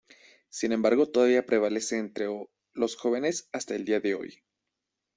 Sin embargo, todavía prevalece entre los jóvenes hasta el día de hoy.